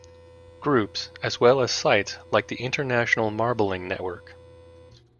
Groups, as well as sites like the International Marbling Network.